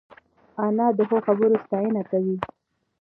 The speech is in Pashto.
انا د ښو خبرو ستاینه کوي